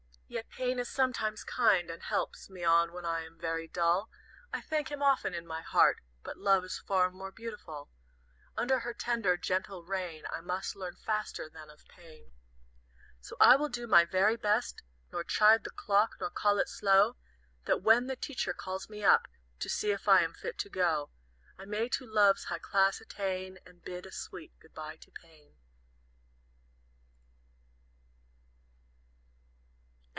"Yet Pain is sometimes kind, and helps Me on when I am very dull; I thank him often in my heart; But Love is far more beautiful; Under her tender, gentle reign I must learn faster than of Pain. "So I will do my very best, Nor chide the clock, nor call it slow; That when the Teacher calls me up To see if I am fit to go, I may to Love's high class attain, And bid a sweet good by to Pain."